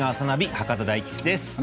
博多大吉です。